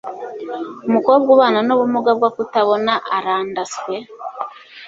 umukobwa ubana n'ubumuga bwo kutabona arandaswe